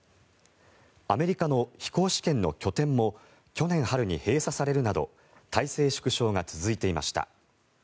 アメリカの飛行試験の拠点も去年春に閉鎖されるなど体制縮小が続いていました。